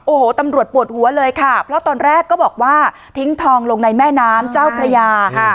โอ้โหตำรวจปวดหัวเลยค่ะเพราะตอนแรกก็บอกว่าทิ้งทองลงในแม่น้ำเจ้าพระยาค่ะ